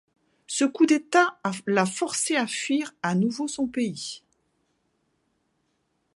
Ce coup d'État l'a forcé à fuir à nouveau son pays.